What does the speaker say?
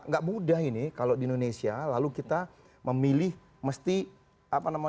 gak mudah ini kalau di indonesia lalu kita memilih mesti apa namanya